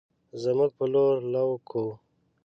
زمونږ په لور لو کوو